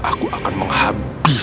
aku gak bgics